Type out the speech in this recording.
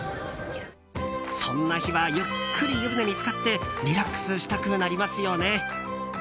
そんな日はゆっくり湯船に浸かってリラックスしたくなりますよね？